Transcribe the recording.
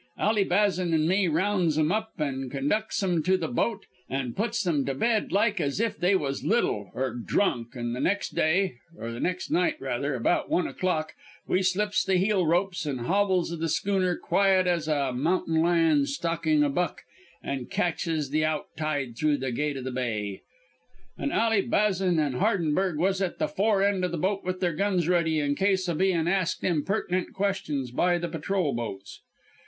Ally Bazan and me rounds 'em up and conducts 'em to the boat an' puts 'em to bed like as if they was little or drunk, an' the next day or next night, rather about one o'clock, we slips the heel ropes and hobbles o' the schooner quiet as a mountain lion stalking a buck, and catches the out tide through the gate o' the bay. Lord, we was some keyed up, lemmee tell you, an' Ally Bazan and Hardenberg was at the fore end o' the boat with their guns ready in case o' bein' asked impert'nent questions by the patrol boats.